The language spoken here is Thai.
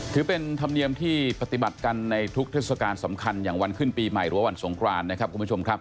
ถือเป็นธรรมเนียมที่ปฏิบัติกันในทุกเทศกาลสำคัญอย่างวันขึ้นปีใหม่หรือว่าวันสงครานนะครับคุณผู้ชมครับ